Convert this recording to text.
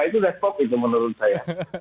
itu sudah top itu menurut saya